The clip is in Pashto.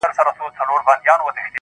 o تر سلو شاباسو يوه ايکي ښه ده!